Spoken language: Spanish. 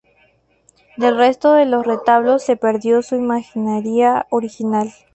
Del resto de los retablos se perdió su imaginería original.